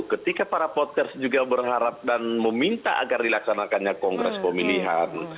ketika para potters juga berharap dan meminta agar dilaksanakannya kongres pemilihan